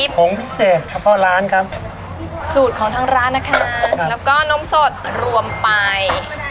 ผงพิเศษเฉพาะร้านครับสูตรของทางร้านนะคะแล้วก็นมสดรวมไป